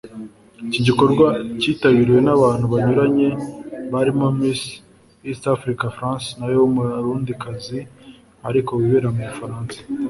Iki gikorwa kitabiriwe n'abantu banyuranye barimo Miss East Africa France nawe w’Umurundikazi ariko wibera mu Bufaransa